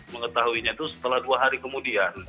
mengetahuinya itu setelah dua hari kemudian